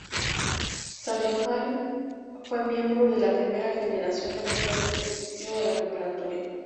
Sandoval fue miembro de la primera generación de mujeres que asistió a la Preparatoria.